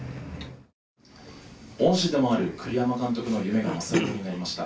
恩師でもある栗山監督の夢が正夢になりました。